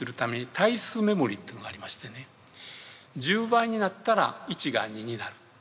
１０倍になったら１が２になる。